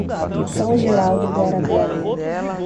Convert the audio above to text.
São Geraldo do Araguaia